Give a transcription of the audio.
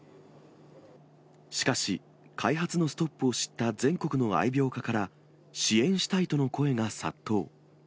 しかし、開発のストップを知った全国の愛猫家から、支援したいとの声が殺到。